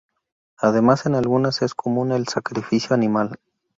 Además en algunas es común el sacrificio animal.